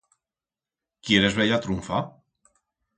Quieres bella trunfa?